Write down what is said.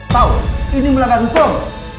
tahu ini melakukan uang